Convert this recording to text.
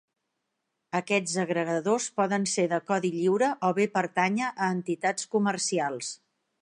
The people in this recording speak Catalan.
Aquests agregadors poden ser de codi lliure o bé pertànyer a entitats comercials.